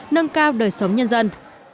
nâng cao đời sống nhân dân